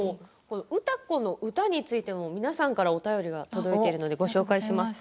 歌子の歌についても皆さんからお便りが届いていますのでご紹介します。